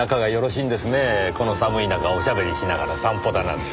この寒い中お喋りしながら散歩だなんて。